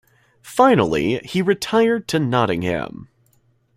Finally he retired to Nottingham.